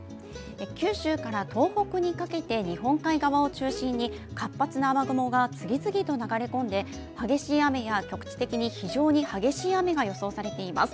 九州から東北にかけて日本海側を衷心に活発な雨雲が次々と流れ込んで、激しい雨や局地的に非常に激しい雨が予想されています。